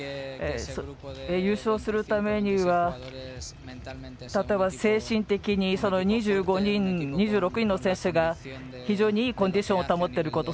優勝するためには例えば、精神的に２６人の選手が非常にいいコンディションを保っていること。